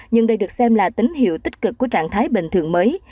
nhưng đây được xem là tín hiệu tích cực của trạng thái bình thường mới